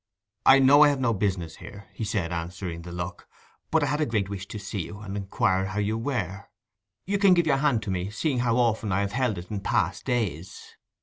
'I know I have no business here,' he said, answering the look. 'But I had a great wish to see you, and inquire how you were. You can give your hand to me, seeing how often I have held it in past days?